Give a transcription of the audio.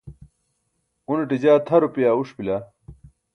unaṭe jaa tʰa rupaya uṣ bila